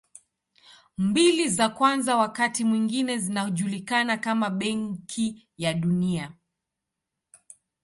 Mbili za kwanza wakati mwingine zinajulikana kama Benki ya Dunia.